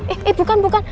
eh eh bukan bukan